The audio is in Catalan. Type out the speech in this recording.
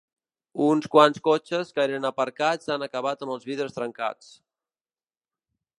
Uns quants cotxes que eren aparcats han acabat amb els vidres trencats.